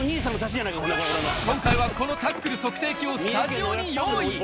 今回はこのタックル測定器をスタジオに用意。